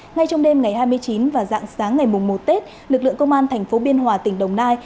ngay trong đêm ngày hai mươi chín và dạng sáng ngày một tết lực lượng công an tp biên hòa tỉnh đồng nai